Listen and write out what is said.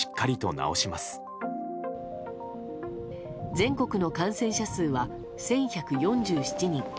全国の感染者数は１１４７人。